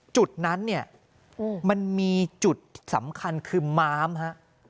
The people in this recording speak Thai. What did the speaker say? จุดนั้นเนี่ยมันมีจุดสำคัญคือม้ามฮะ